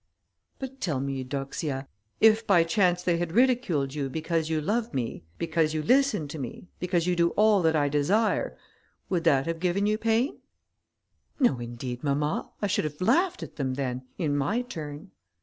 "But tell me, Eudoxia, if by chance they had ridiculed you because you love me, because you listen to me, because you do all that I desire, would that have given you pain?" "No, indeed, mamma, I should have laughed at them then, in my turn."